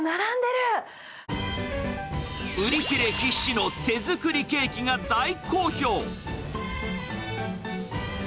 売り切れ必至の手作りケーキが大好評。